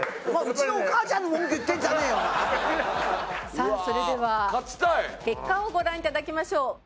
さあそれでは結果をご覧いただきましょう。